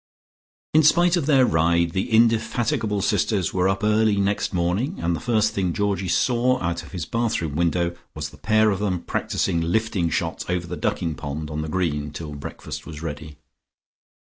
In spite of their ride, the indefatigable sisters were up early next morning, and the first thing Georgie saw out of his bathroom window was the pair of them practising lifting shots over the ducking pond on the green till breakfast was ready.